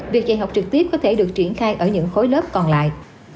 việc dạy học trực tiếp có thể được triển khai ở những khối lớp còn lại